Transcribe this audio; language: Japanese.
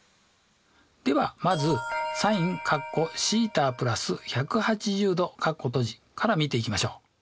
ではまずｓｉｎから見ていきましょう。